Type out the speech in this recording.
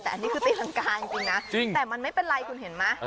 แต่อันนี้คือตีรังกาจริงนะแต่มันไม่เป็นไรคุณเห็นไหม